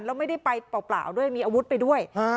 แล้วไม่ได้ไปเปล่าด้วยมีอาวุธไปด้วย